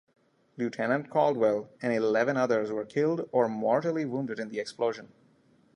Lieutenant Caldwell and eleven others were killed or mortally wounded in the explosion.